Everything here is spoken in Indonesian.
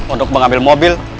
untuk mengambil mobil